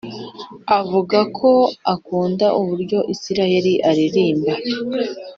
avuga ko akunda uburyo israel aririmba